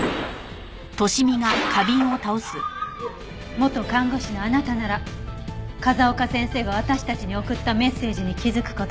元看護師のあなたなら風丘先生が私たちに送ったメッセージに気づく事ができた。